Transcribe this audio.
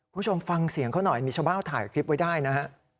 คุณผู้ชมฟังเสียงเขาหน่อยมีชาวบ้านถ่ายคลิปไว้ได้นะฮะ